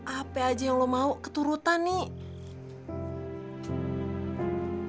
apa aja yang lo mau keturutan nih